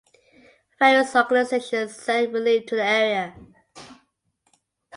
Various organizations sent relief to the area.